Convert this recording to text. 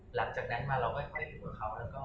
หลักจากนั้นมาเราก็ได้พิษกับเค้าและก็